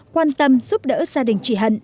quan tâm giúp đỡ gia đình chị hận